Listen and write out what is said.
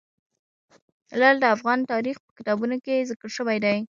لعل د افغان تاریخ په کتابونو کې ذکر شوی دي.